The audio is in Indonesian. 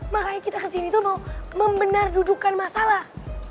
makanya kita kesini tuh mau membenar dudukan masalah